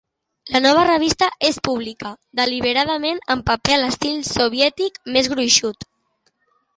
La nova revista es publica, deliberadament en paper a l'estil soviètic, més gruixut.